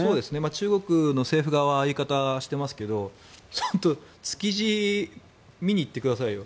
中国の政府側はああいう言い方をしてますけど築地を見に行ってくださいよ。